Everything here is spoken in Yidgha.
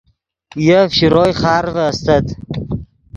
یف شروئے خارڤے استت